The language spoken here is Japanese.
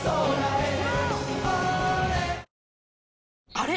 あれ？